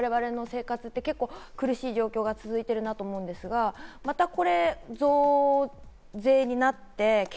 我々の生活、苦しい状況が続いてるなと思うんですが、またこれ増税になって。